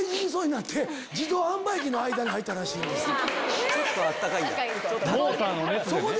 自動販売機の間に入ったらしいんですよ。